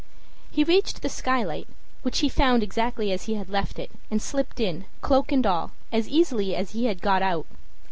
He reached the skylight, which he found exactly as he had left it, and slipped in, cloak and all, as easily as he had got out.